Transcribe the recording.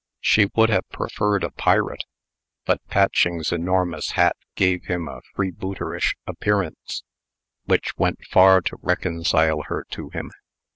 She would have preferred a pirate; but Patching's enormous hat gave him a freebooterish appearance, which went far to reconcile her to him.